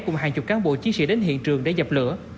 cùng hàng chục cán bộ chiến sĩ đến hiện trường để dập lửa